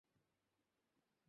কুমু মাথা নেড়ে জানালে যে, না।